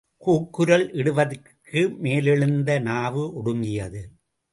கூக்குரல் இடுவதற்கு மேலெழுந்த நாவு ஒடுங்கியது.